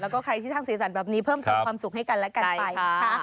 แล้วก็ใครที่สร้างสีสันแบบนี้เพิ่มเติมความสุขให้กันและกันไปนะคะ